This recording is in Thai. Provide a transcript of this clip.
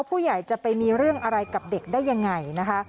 ผู้ใหญ่จะไปมีเรื่องอะไรกับเด็กได้ยังไงนะคะ